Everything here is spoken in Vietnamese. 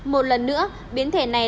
một lần nữa biến thể này